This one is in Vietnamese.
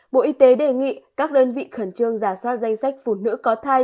bộ y tế đề nghị các đơn vị khẩn trương giả soát danh sách phụ nữ có thai